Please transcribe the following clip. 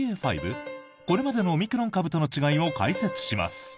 これまでのオミクロン株との違いを解説します。